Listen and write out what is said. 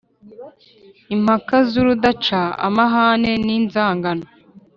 impaka z’urudaca, amahane n’inzangano